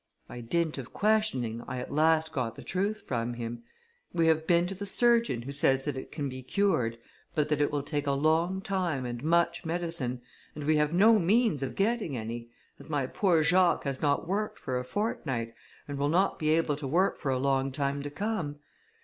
By dint of questioning, I at last got the truth from him. We have been to the surgeon, who says that it can be cured, but that it will take a long time, and much medicine, and we have no means of getting any, as my poor Jacques has not worked for a fortnight, and will not be able to work for a long time to come.